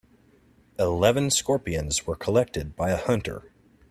Eleven scorpions were collected by a hunter.